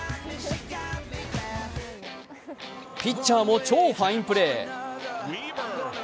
ピッチャーも超ファインプレー。